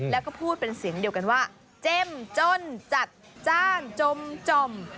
แล้วก็พูดเป็นเสียงเดียวกันว่าเจ้มจ้นจัดจ้านจม